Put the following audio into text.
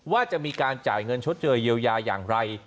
ว่าจะมีการจ่ายเงินชดเชยเยียวยาอย่างไร